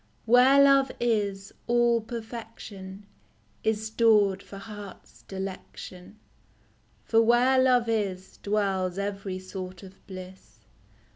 Where love is, all perfection Is stored for heart's delection ; For where love is Dwells every sort of bliss.